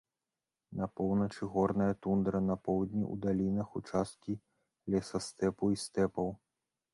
На поўначы горная тундра, на поўдні ў далінах участкі лесастэпу і стэпаў.